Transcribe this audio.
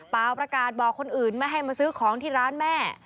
ประกาศบอกคนอื่นไม่ให้มาซื้อของที่ร้านแม่